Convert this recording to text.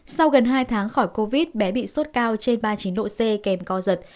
sau gần hai tháng khỏi covid bé bị sốt cao trên ba mươi chín độ c kèm co giật